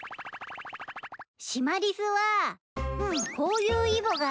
シマリスはこういうイボがいい。